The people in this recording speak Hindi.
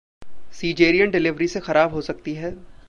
सीजेरियन डिलीवरी से खराब हो सकती है सेक्स लाइफ